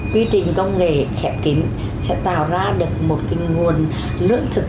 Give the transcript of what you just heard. quy trình công nghệ khẽ kín sẽ tạo ra được một cái nguồn lưỡng thực